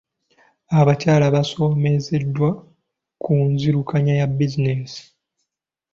Abakyala baasomeseddwa ku nzirukanya ya bizinensi.